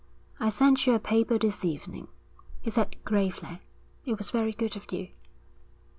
'I sent you a paper this evening,' he said gravely. 'It was very good of you.'